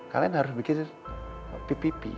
kalian harus bikin ppp